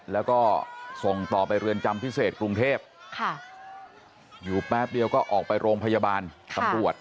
แล้วก็ส่งต่อไปเรือนจำพิเศษกรุงเทพอยู่แป๊บเดียวก็ออกไปโรงพยาบาลตำรวจ